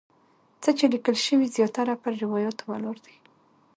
څه چې لیکل شوي زیاتره پر روایاتو ولاړ دي.